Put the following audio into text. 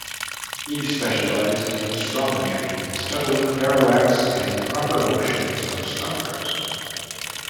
He specialized in astrometry, studying parallax and proper motions of stars.